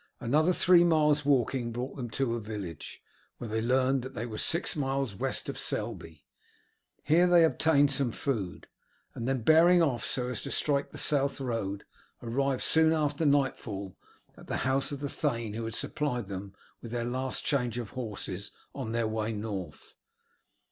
Another three miles' walking brought them to a village, where they learned they were six miles west of Selby. Here they obtained some food, and then bearing off so as to strike the south road arrived soon after nightfall at the house of the thane who had supplied them with their last change of horses on their way north.